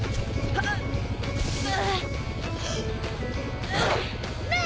あっ！